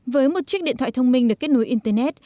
với một chiếc điện thoại thông minh được kết nối internet